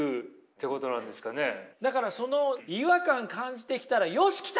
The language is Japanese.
だからその違和感感じてきたらよし来たと。